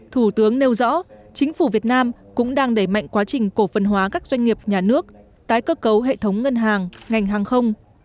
thủ tướng nêu rõ chính phủ việt nam cũng đang đẩy mạnh quá trình cổ phần hóa các doanh nghiệp nhà nước tái cơ cấu hệ thống ngân hàng ngành hàng không